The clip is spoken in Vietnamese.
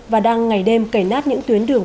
và đang ngày đêm kẩy nát những tuyến đường